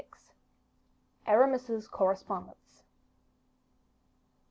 Aramis's Correspondence.